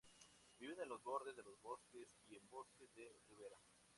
Viven en los bordes de los bosques y en bosques de ribera.